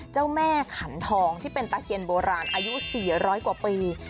เจ้าแม่ขันทองที่เป็นตะเคียนโบราณอายุ๔๐๐กว่าปี